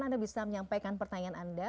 anda bisa menyampaikan pertanyaan anda